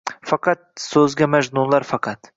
faqat, soʼzga Majnunlar faqat